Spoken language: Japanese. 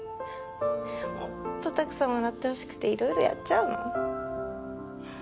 もっとたくさん笑ってほしくていろいろやっちゃうの。